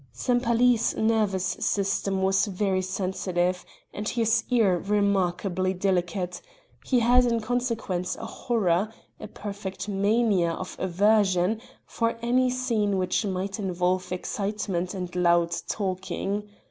Sempaly's nervous system was very sensitive and his ear remarkably delicate; he had in consequence a horror a perfect mania of aversion for any scene which might involve excitement and loud talking.